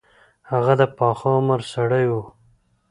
هغه د پاخه عمر سړی وو.